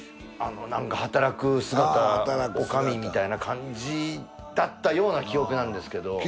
あのなんか働く姿女将みたいな感じだったような記憶なんですけど。